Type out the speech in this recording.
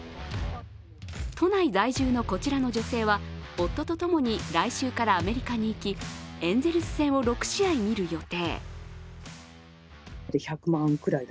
都内在住のこちらの女性は夫とともに来週からアメリカに行きエンゼルス戦を６試合、見る予定。